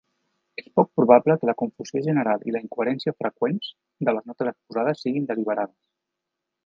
És poc probable que la confusió general i la incoherència freqüent de les notes exposades siguin deliberades.